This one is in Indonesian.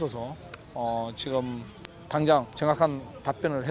tapi saya juga tidak mendapatkan pengetahuan tentang hal ini